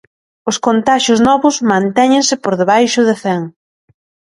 Os contaxios novos mantéñense por debaixo de cen.